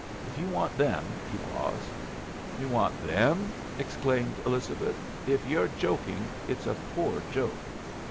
If you want them " He paused. "We want them!" exclaimed Elizabeth. "If you're joking, it's a poor joke."